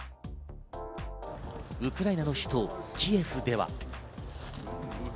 ウクライナの首都キエフでは。